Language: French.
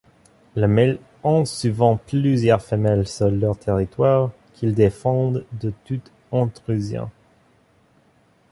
Les mâles ont souvent plusieurs femelles sur leur territoire, qu'ils défendent de toute intrusion.